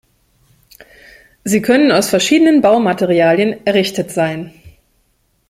Sie können aus verschiedenen Baumaterialien errichtet sein.